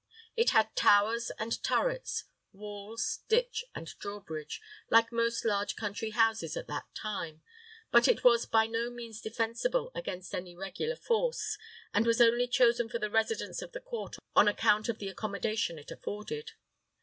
It had towers and turrets, walls, ditch, and draw bridge, like most large country houses at that time; but it was by no means defensible against any regular force, and was only chosen for the residence of the court on account of the accommodation it afforded.